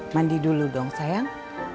mandi dulu dong sayang